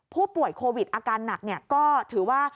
ผู้ป่วยโควิดอาการหนักก็ถือว่า